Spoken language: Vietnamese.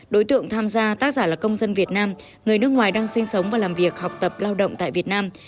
đối tượng tham gia tác giả là công dân việt nam người nước ngoài đang sinh sống và làm việc học tập lao động tại việt nam